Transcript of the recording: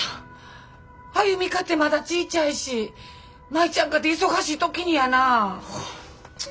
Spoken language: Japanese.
歩かてまだちいちゃいし舞ちゃんかて忙しい時にやな。